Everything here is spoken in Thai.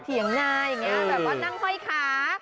เถียงนาอย่างนี้แบบว่านั่งห้อยขา